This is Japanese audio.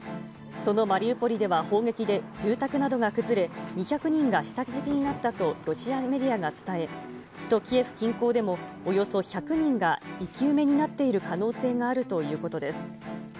そのマリウポリでは砲撃で住宅などが崩れ、２００人が下敷きになったとロシアメディアが伝え、首都キエフ近郊でも、およそ１００人が生き埋めになっている可能性があるということです。